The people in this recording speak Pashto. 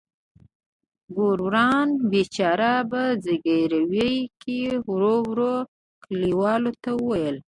ګوروان بیچاره په زګیروي کې ورو ورو کلیوالو ته وویل.